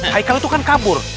haikal itu kan kabur